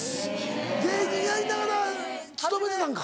芸人やりながら勤めてたんか。